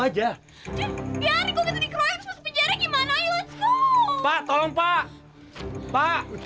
udah pak seret aja keluar pak